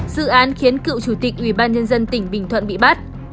dự án khiến cựu chủ tịch ubnd tỉnh bình thuận bị bắt